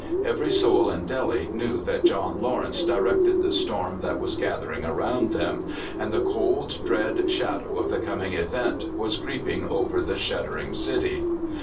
Every soul in Delhi knew that John Lawrence directed the storm that was gathering around them, and the cold, dread shadow of the coming event was creeping over the shuddering city.